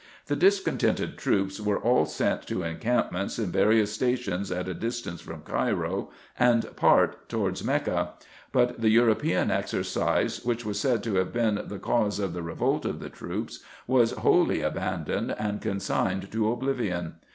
The discontented troops were all sent to encampments in various c 2 12 RESEARCHES AND OPERATIONS stations at a distance from Cairo, and part towards Mecca ; but the European exercise, which was said to have been the cause of the revolt of the troops, was wholly abandoned, and consigned to ob livion.